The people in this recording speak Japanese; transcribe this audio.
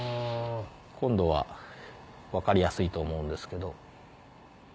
今度は分かりやすいと思うんですけど。